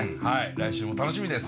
来週も楽しみです。